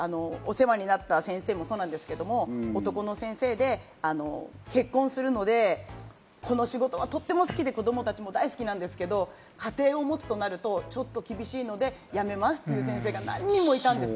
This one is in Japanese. お世話になった先生もそうですが、男の先生で結婚するので、この仕事はとっても好きで子供たちも大好きなんですけど、家庭を持つとなるとちょっと厳しいので、辞めますという先生が何人もいたんです。